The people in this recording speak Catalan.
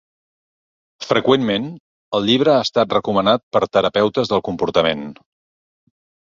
Freqüentment, el llibre ha estat recomanat per terapeutes del comportament.